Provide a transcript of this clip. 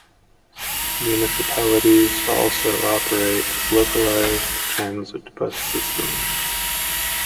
Municipalities also operate localized transit bus systems.